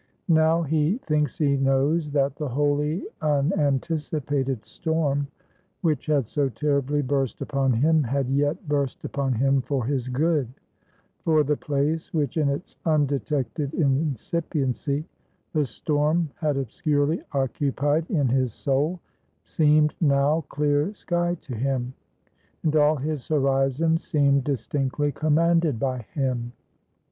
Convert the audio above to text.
Now he thinks he knows that the wholly unanticipated storm which had so terribly burst upon him, had yet burst upon him for his good; for the place, which in its undetected incipiency, the storm had obscurely occupied in his soul, seemed now clear sky to him; and all his horizon seemed distinctly commanded by him.